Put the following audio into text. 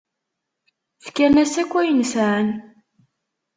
Fkan-as akk ayen sɛan.